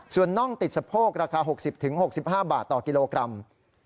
ส่วนน่องติดสะโพกราคา๖๐๖๕บาทต่อกิโลกรัม